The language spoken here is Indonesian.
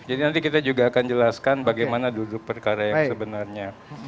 jadi nanti kita juga akan jelaskan bagaimana duduk perkara yang sebenarnya